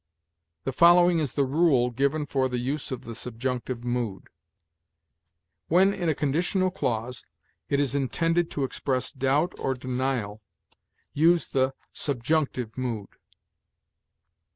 "The following is the rule given for the use of the subjunctive mood: "When in a conditional clause it is intended to express doubt or denial, use the subjunctive mood.